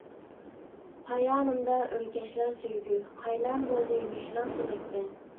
پايانىمدا ئۆركەشلەر سۆيگۈ، قاينام بولدى مېھرىڭ تىلەكتە.